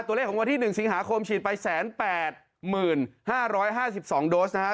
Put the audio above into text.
ตัวเลขของวันที่๑สิงหาคมฉีดไป๑๘๕๕๒โดสนะฮะ